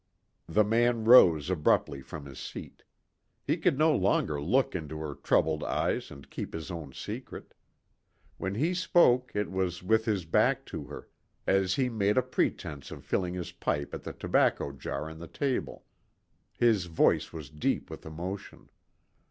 The man rose abruptly from his seat. He could no longer look into her troubled eyes and keep his own secret. When he spoke it was with his back to her, as he made a pretense of filling his pipe at the tobacco jar on the table. His voice was deep with emotion.